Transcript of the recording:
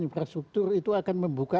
infrastruktur itu akan membuka